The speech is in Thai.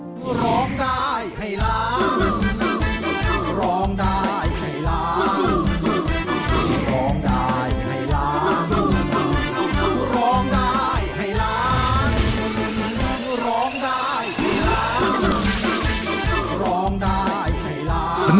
ร้องได้ให้ล้างร้องได้ให้ล้างร้องได้ให้ล้างร้องได้ให้ล้าง